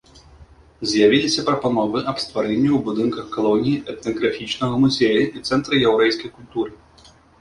З'явіліся прапановы аб стварэнні ў будынках калоніі этнаграфічнага музея і цэнтра яўрэйскай культуры.